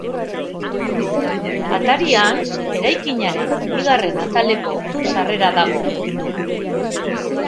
Atarian, eraikinaren bigarren ataleko sarrera dago.